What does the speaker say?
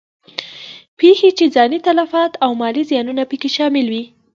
پېښې چې ځاني تلفات او مالي زیانونه په کې شامل وي.